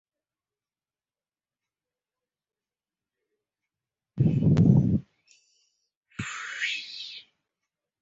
তাঁর মৃত্যুর স্থানে তাঁকে সমাহিত করা হয়।